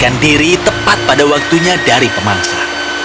dan menemukan harimau yang tepat pada waktunya dari pemangsa